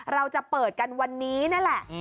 เราจะเปิดกันวันนี้นั่นแหละ